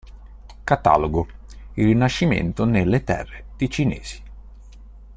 Catalogo: Il Rinascimento nelle terre ticinesi.